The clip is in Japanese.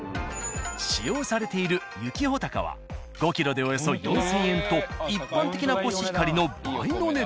使用されている雪ほたかは５ｋｇでおよそ４、０００円と一般的なコシヒカリの倍の値段。